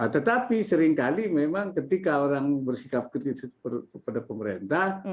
tetapi seringkali memang ketika orang bersikap kritis kepada pemerintah